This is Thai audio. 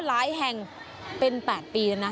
หลายแห่งเป็น๘ปีนะ